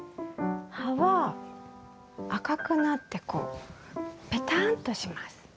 葉は赤くなってこうぺたんとします。